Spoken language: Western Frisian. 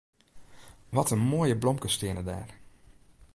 Wat in moaie blomkes steane dêr.